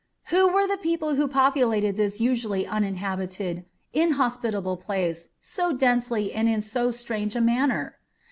Who were the people who populated this usually uninhabited, inhospitable place so densely and in so strange a manner?